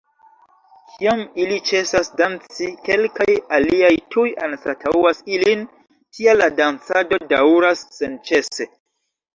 Kiam ili ĉesas "danci", kelkaj aliaj tuj anstataŭas ilin, tial la dancado daŭras senĉese.